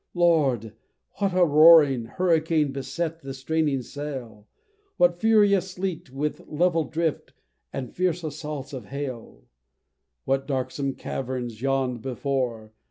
Lord! what a roaring hurricane beset the straining sail! What furious sleet, with level drift, and fierce assaults of hail! What darksome caverns yawn'd before!